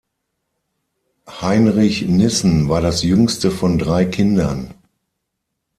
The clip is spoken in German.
Heinrich Nissen war das jüngste von drei Kindern.